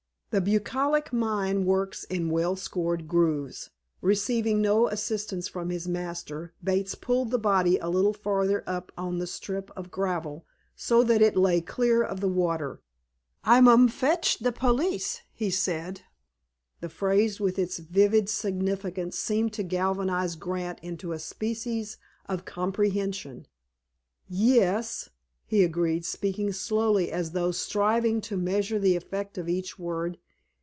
The bucolic mind works in well scored grooves. Receiving no assistance from his master, Bates pulled the body a little farther up on the strip of gravel so that it lay clear of the water. "I mum fetch t' polis," he said. The phrase, with its vivid significance, seemed to galvanize Grant into a species of comprehension. "Yes," he agreed, speaking slowly, as though striving to measure the effect of each word.